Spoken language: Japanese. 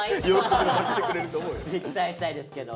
期待したいですけど。